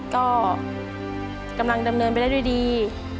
ก็กำลังดำเนินไปได้ด้วยดี